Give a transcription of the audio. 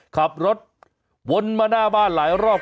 ขับรถวนมาหน้าบ้านหลายรอบ